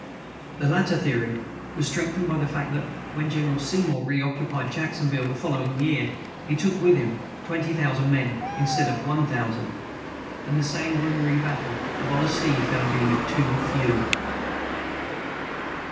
The latter theory was strengthened by the fact that, when General Seymour reoccupied Jacksonville, the following year, he took with him twenty thousand men instead of one thousand, and the sanguinary battle of Olustee found him with too few.